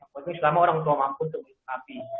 wajib selama orang tua mampu tetapi